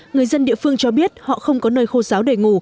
người dân địa phương cho biết họ không có nơi khô giáo để ngủ